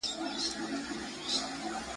یو له بله تبریکۍ سوې اتڼونه ..